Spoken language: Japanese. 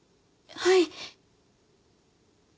はい。